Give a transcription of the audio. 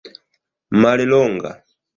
mallonga